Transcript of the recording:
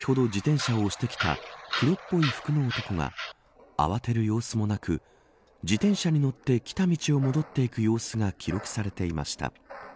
その直後先ほど、自転車を押してきた黒っぽい服の男が慌てる様子もなく自転車に乗って来た道を戻っていく様子が記録されていました。